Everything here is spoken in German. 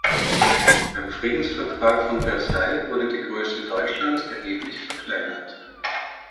Beim Friedensvertrag von Versailles wurde die Größe Deutschlands erheblich verkleinert.